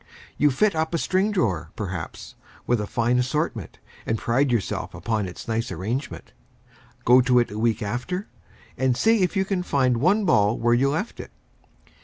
You fit up a string drawer, perhaps, with a fine assortment, and pride yourself upon its nice arrangement. Go to it a week after, and see if you can find one ball where you left it!